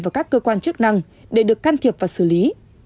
và các cơ quan chức năng để được can thiệp và xử lý